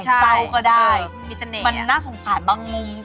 เศร้าก็ได้มันน่าสงสารบางมุม